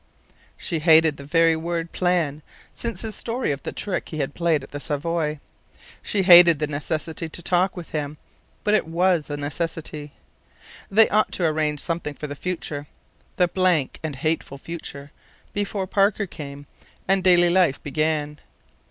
She hated the very word "plan" since his story of the trick he had played at the Savoy. She hated the necessity to talk with him; but it was a necessity. They ought to arrange something for the future the blank and hateful future before Parker came, and daily life began.